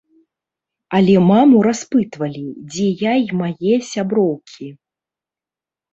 Але маму распытвалі, дзе я і мае сяброўкі.